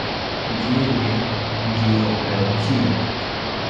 Yeye riyoperotziro